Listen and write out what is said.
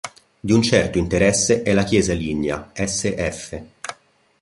Di un certo interesse è la chiesa lignea "Sf.